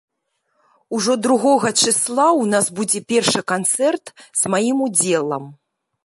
Ужо другога чысла ў нас будзе першы канцэрт з маім удзелам.